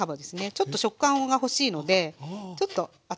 ちょっと食感が欲しいのでちょっと厚めに。